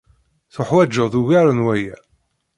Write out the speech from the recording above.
tuḥwaǧeḍ ugar n waya.